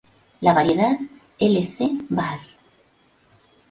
La variedad "L. c." var.